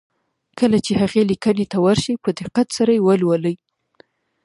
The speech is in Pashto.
کله چې هغې ليکنې ته ور شئ په دقت سره يې ولولئ.